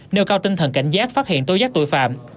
nêu cao tinh thần cảnh giác phát hiện tố giác tội phạm